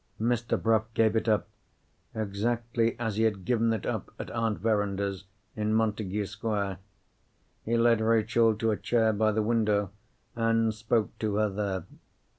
Mr. Bruff gave it up, exactly as he had given it up at Aunt Verinder's, in Montagu Square. He led Rachel to a chair by the window, and spoke to her there.